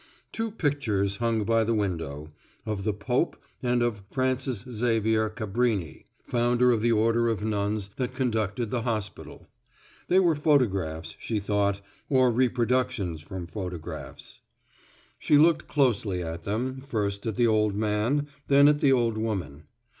Two pictures hung by the window, of the pope and of Frances Xavier Cabrini, founder of the order of nuns that conducted the hospital. They were photographs, she thought, or reproductions from photographs. She looked closely at them, first at the old man, then at the old woman.